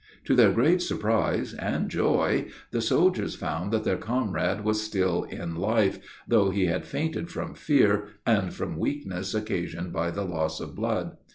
To their great surprise and joy, the soldiers found that their comrade was still in life, though he had fainted from fear and from weakness occasioned by the loss of blood.